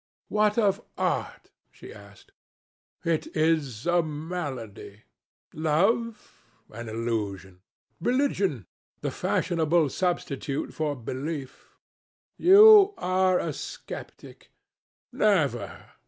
"What of art?" she asked. "It is a malady." "Love?" "An illusion." "Religion?" "The fashionable substitute for belief." "You are a sceptic." "Never!